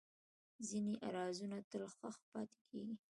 ځینې رازونه تل ښخ پاتې کېږي.